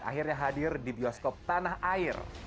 akhirnya hadir di bioskop tanah air